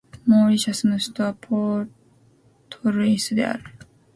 モーリシャスの首都はポートルイスである